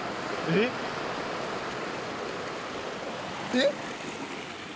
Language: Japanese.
えっ！